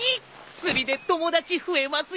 釣りで友達増えますように！